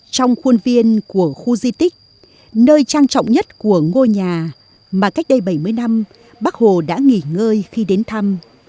trong khuôn viên của khu di tích nơi trang trọng nhất của ngôi nhà mà cách đây bảy mươi năm bác hồ đã nghỉ ngơi khi đến thăm